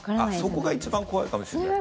そこが一番怖いかもしれない。